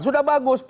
sudah bagus pamit